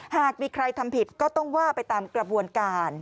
หากมีใครทำผิดก็ต้องว่าไปตามกระบวนการ